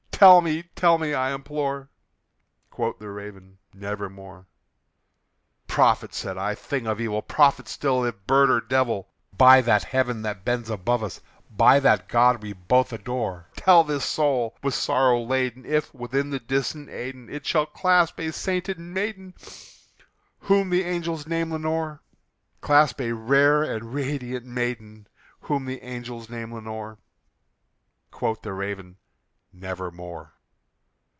tell me tell me, I implore!" Quoth the Raven, "Nevermore." "Prophet!" said I, "thing of evil! prophet still, if bird or devil! By that Heaven that bends above us by that God we both adore Tell this soul with sorrow laden if, within the distant Aidenn, It shall clasp a sainted maiden whom the angels name Lenore Clasp a rare and radiant maiden whom the angels name Lenore." Quoth the Raven, "Nevermore."